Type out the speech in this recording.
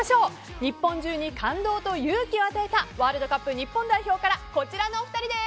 日本中に感動と勇気を与えたワールドカップ日本代表からこちらのお二人です。